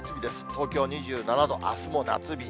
東京２７度、あすも夏日。